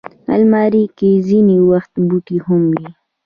الماري کې ځینې وخت بوټي هم وي